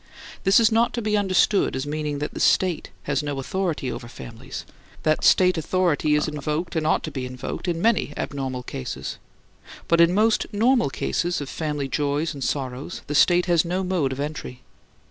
This is not to be understood as meaning that the State has no authority over families; that State authority is invoked and ought to be invoked in many abnormal cases. But in most normal cases of family joys and sorrows, the State has no mode of entry.